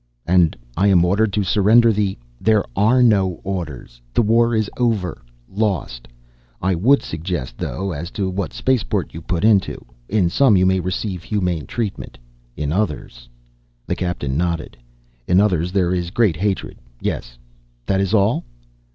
"And I am ordered to surrender the " "There are no orders. The war is over, lost. I would suggest thought as to what spaceport you put into. In some you may receive humane treatment. In others " The captain nodded. "In others, there is great hatred. Yes. That is all?"